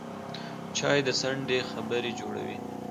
چای د څنډې خبرې جوړوي